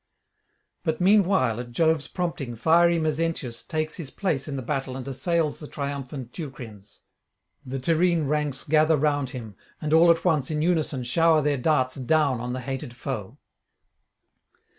But meanwhile at Jove's prompting fiery Mezentius takes his place in the battle and assails the triumphant Teucrians. The Tyrrhene ranks gather round him, and all at once in unison shower their darts down on the hated foe.